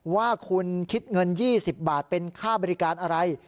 ว่าคุณคิดเงิน๒๐บาทเป็นค่าบริการอะไร